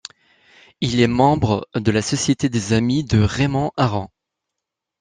Il est membre de la Société des amis de Raymond Aron.